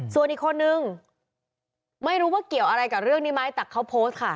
ส่วนอีกคนนึงไม่รู้ว่าเกี่ยวอะไรกับเรื่องนี้ไหมแต่เขาโพสต์ค่ะ